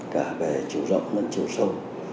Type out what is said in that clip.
cả về chiều rộng chiều sâu